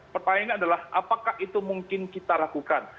pertanyaannya adalah apakah itu mungkin kita lakukan